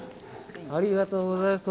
ありがとうございます